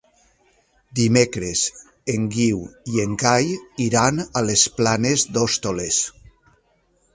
Dimecres en Guiu i en Cai iran a les Planes d'Hostoles.